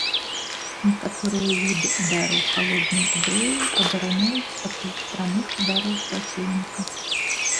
Некаторыя віды ўдараў халоднай зброяй абараняюць ад люстраных удараў праціўніка.